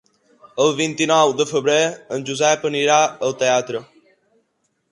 El vint-i-nou de febrer en Josep anirà al teatre.